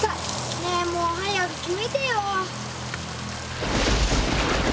ねえもう早く決めてよ。